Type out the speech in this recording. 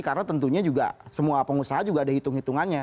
karena tentunya juga semua pengusaha juga ada hitung hitungannya